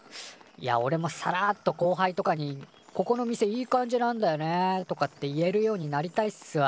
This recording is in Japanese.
いやおれもさらっとこうはいとかに「ここの店いい感じなんだよね」とかって言えるようになりたいっすわ。